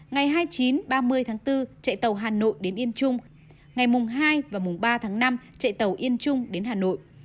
ngày hai mươi chín ba mươi tháng bốn chạy tàu hà nội đến yên trung ngày mùng hai và mùng ba tháng năm chạy tàu yên trung đến hà nội